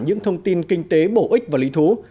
những thông tin kinh tế bổ ích và lý thú